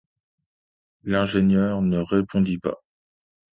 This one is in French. L’ingénieur ne répondit pas.